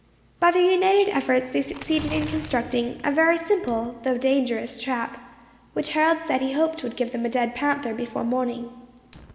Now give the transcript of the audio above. By their united efforts they succeeded in constructing a very simple though dangerous trap, which Harold said he hoped would give them a dead panther before morning.